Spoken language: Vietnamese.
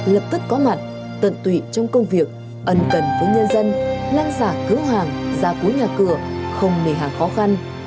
lập tức có mặt tận tụy trong công việc ẩn cần với nhân dân lăn xả cửa hàng ra cuối nhà cửa không nề hàng khó khăn